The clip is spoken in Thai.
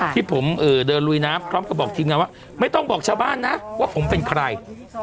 ที่ผมเดินลุยน้ำพร้อมกับบอกทีมงานว่าไม่ต้องบอกชาวบ้านนะว่าผมเป็นใคร